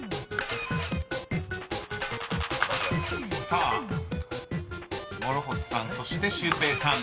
［さあ諸星さんそしてシュウペイさん